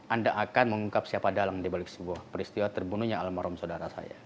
anda akan mengungkap siapa dalang dibalik sebuah peristiwa terbunuhnya almarhum saudara saya